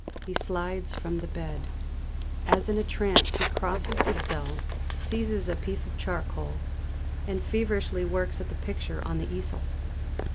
He slides from the bed. As in a trance he crosses the cell, seizes a piece of charcoal, and feverishly works at the picture on the easel!